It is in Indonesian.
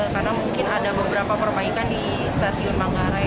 karena mungkin ada beberapa perbaikan di stasiun manggarai